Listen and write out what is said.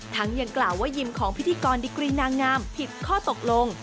ยังกล่าวว่ายิมของพิธีกรดิกรีนางงามผิดข้อตกลง